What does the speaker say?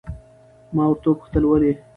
ما ورته وپوښتل ولې؟